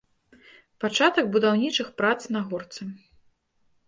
Пачатак будаўнічых прац на горцы.